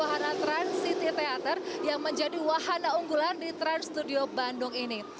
wahana trans city teater yang menjadi wahana unggulan di trans studio bandung ini